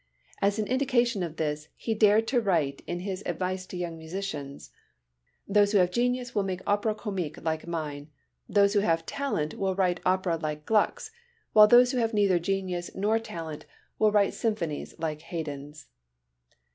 As an indication of this, he dared to write in his advice to young musicians: "Those who have genius will make opéra comique like mine; those who have talent will write opera like Gluck's; while those who have neither genius nor talent, will write symphonies like Haydn's."